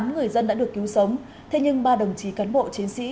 tám người dân đã được cứu sống thế nhưng ba đồng chí cán bộ chiến sĩ